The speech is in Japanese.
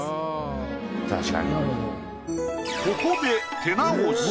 ここで。